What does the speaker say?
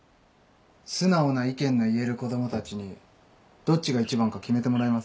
素直な意見の言える子供たちにどっちが１番か決めてもらいません？